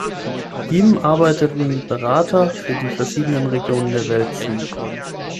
Ihm arbeiten Berater für die verschiedenen Regionen der Welt zu.